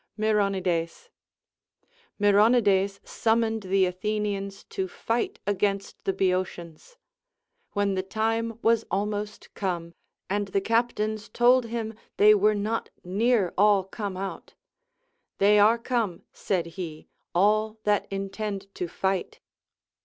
Myronides. INIyronides summoned the Athenians to iiaht aijainst the Boeotians. AVlien the time was almost come, and the captains told him they were not near all come out ; They are come, said he, all that intend to fight.